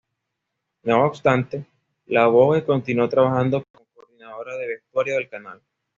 No obstante, la Bogue continuó trabajando como Coordinadora de Vestuario del canal.